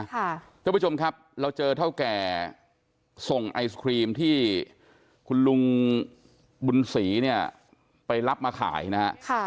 ท่านผู้ชมครับเราเจอเท่าแก่ส่งไอศครีมที่คุณลุงบุญศรีเนี่ยไปรับมาขายนะฮะ